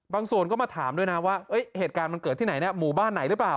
ส่วนก็มาถามด้วยนะว่าเหตุการณ์มันเกิดที่ไหนหมู่บ้านไหนหรือเปล่า